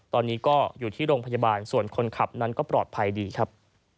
ตอนนี้ก็อยู่ที่โรงพยาบาลส่วนคนขับนั้นก็ปลอดภัยดีครับ